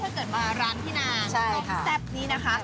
ถ้าเกิดมาร้านพี่นางน่าต้องแซ่บดีนะครับ